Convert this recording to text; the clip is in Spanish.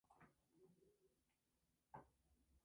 Es refugio natural del Caimán Negro del Amazonas.